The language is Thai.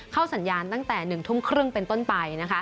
สัญญาณตั้งแต่๑ทุ่มครึ่งเป็นต้นไป